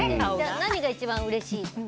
何が一番うれしい？